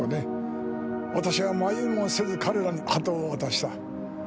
私は迷いもせず彼らに鳩を渡した。